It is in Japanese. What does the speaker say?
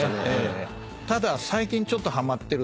ただ。